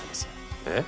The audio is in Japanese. えっ！？